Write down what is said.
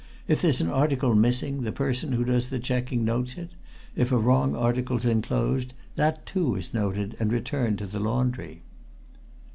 If there's an article missing, the person who does the checking notes it; if a wrong article's enclosed, that, too, is noted, and returned to the laundry."